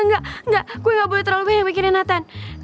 enggak gue gak boleh terlalu banyak bikinin nathan